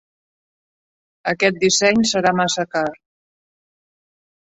Aquest disseny serà massa car.